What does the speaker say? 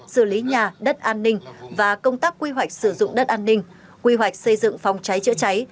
xử lý nhà đất an ninh và công tác quy hoạch sử dụng đất an ninh quy hoạch xây dựng phòng cháy chữa cháy